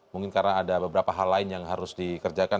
mungkin karena ada beberapa hal lain yang harus dikerjakan